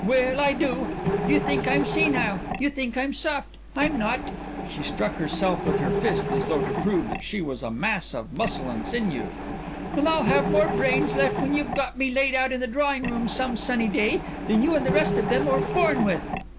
Well, I do. You think I'm senile. You think I'm soft. I'm not!" She struck herself with her fist as though to prove that she was a mass of muscle and sinew. "And I'll have more brains left when you've got me laid out in the drawing room some sunny day than you and the rest of them were born with."